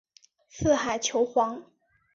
四海求凰。